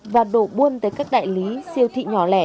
và đổ buôn tới các đại lý siêu thị nhỏ lẻ